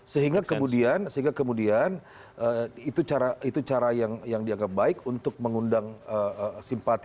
sehingga kemudian sehingga kemudian itu cara yang dianggap baik untuk mengundang simpati